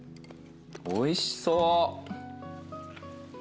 おいしそう。